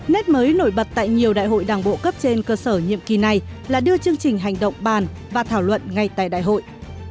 nét mới nổi bật tại nhiều đại hội đảng bộ cấp trên cơ sở nhiệm kỳ này là đưa chương trình hành động bàn và thảo luận ngay tại đại hội